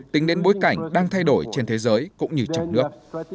tính đến bối cảnh đang thay đổi trên thế giới cũng như trong nước